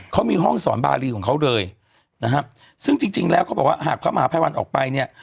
เขามีห้องสอนบารีของเขาเลยนะครับซึ่งจริงจริงแล้วเขาบอกว่าหากพระมหาภัยวันออกไปเนี่ย